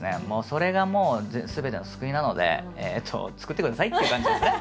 それがもうすべての救いなので作ってくださいっていう感じですね。